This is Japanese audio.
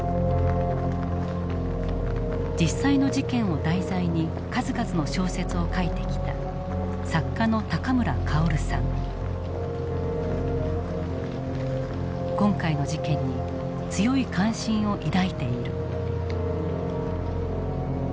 実際の事件を題材に数々の小説を書いてきた今回の事件に強い関心を抱いている。